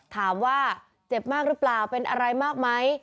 ถามว่าเจ็บมากหรือเปล่าเป็นอะไรมากไหม